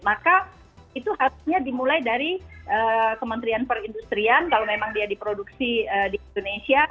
maka itu harusnya dimulai dari kementerian perindustrian kalau memang dia diproduksi di indonesia